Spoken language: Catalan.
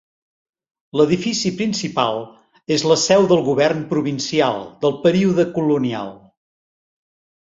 L'edifici principal és la seu del govern provincial, del període colonial.